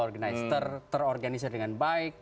organized terorganisir dengan baik